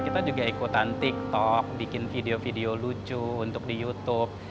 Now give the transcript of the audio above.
kita juga ikutan tiktok bikin video video lucu untuk di youtube